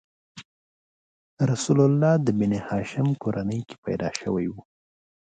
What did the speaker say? رسول الله د بنیهاشم کورنۍ کې پیدا شوی و.